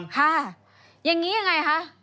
ค่ะอย่างนี้ยังไงคะ